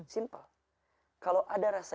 simple kalau ada rasa